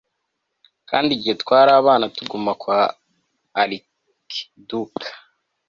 Kandi igihe twari abana tuguma kwa archduke